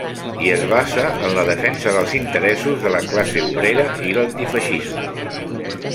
I es basa en la defensa dels interessos de la classe obrera i l'antifeixisme.